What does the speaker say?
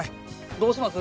どうします？